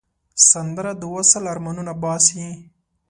سندره د وصل آرمانونه باسي